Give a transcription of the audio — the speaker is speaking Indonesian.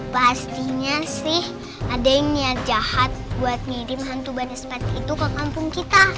pastinya sih ada yang niat jahat buat ngirim hantu banaspati itu ke kampung kita